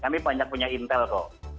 kami banyak punya intel kok